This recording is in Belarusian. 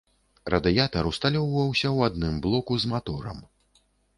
Радыятар усталёўваўся ў адным блоку з маторам.